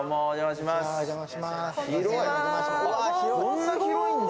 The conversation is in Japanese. こんな広いんだ。